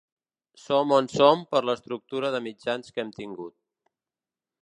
Som on som per l’estructura de mitjans que hem tingut.